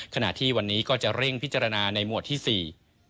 ขณะที่วันนี้ก็จะเร่งพิจารณาในหมวดที่สี่